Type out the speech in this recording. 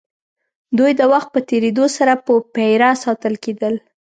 دوی د وخت په تېرېدو سره په پېره ساتل کېدل.